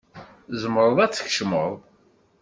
Tzemreḍ ad d-tkecmeḍ.